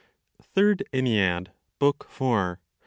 THIRD ENNEAD, BOOK FOUR.